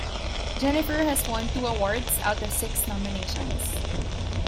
Jennifer has won two awards out of six nominations.